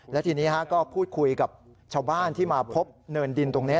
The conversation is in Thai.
และทีนี้ก็พูดคุยกับชาวบ้านที่มาพบเนินดินตรงนี้